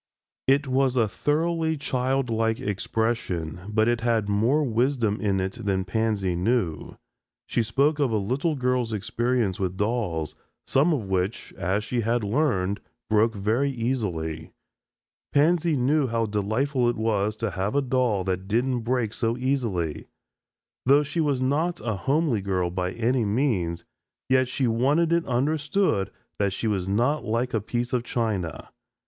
It was a thoroughly childlike expression, but it had more wisdom in it than Pansy knew. She spoke of a little girl's experience with dolls, some of which, as she had learned, broke very easily. Pansy knew how delightful it was to have a doll that didn't break so easily. Though she was not a homely girl by any means, yet she wanted it understood that she was not like a piece of china.